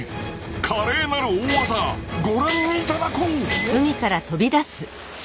華麗なる大技ご覧いただこう！